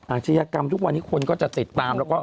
อาชียกรรมทุกวันที่คนก็จะติดตาม